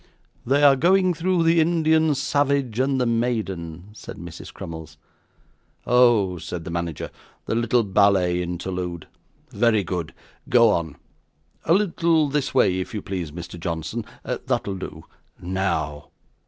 'They are going through the Indian Savage and the Maiden,' said Mrs Crummles. 'Oh!' said the manager, 'the little ballet interlude. Very good, go on. A little this way, if you please, Mr. Johnson. That'll do. Now!